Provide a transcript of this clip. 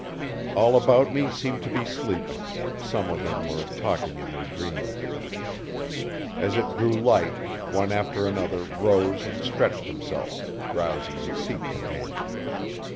All about me seemed to be sleeping some of them were talking in their dreams. As it grew light, one after another rose and stretched himself, rousing his seat companion.